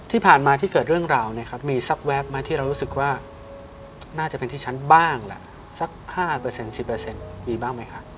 ที่ผ่านมาที่เกิดเรื่องราวเนี่ยครับมีสักแวบไหมที่เรารู้สึกว่าน่าจะเป็นที่ฉันบ้างแหละสัก๕๑๐มีบ้างไหมคะ